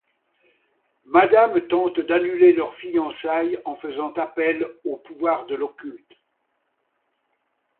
Madame tente d'annuler leurs fiançailles en faisant appel au pouvoir de l'occulte.